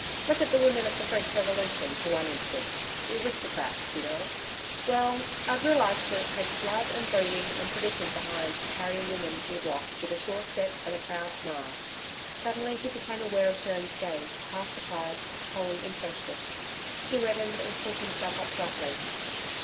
Look at the women of the French Revolution for one instance the aristocrats, you know well, I've realised that it takes blood and breeding and tradition behind to carry a woman to the block with a sure step and a proud smile ...' Suddenly, he became aware of Joan's gaze, half surprised, wholly interested.... He reddened and pulled himself up gruffly.